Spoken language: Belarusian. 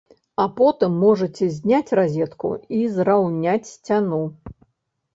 А потым можаце зняць разетку і зраўняць сцяну.